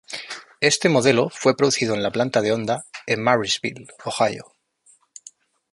Este modelo fue producido en la planta de Honda en Marysville, Ohio.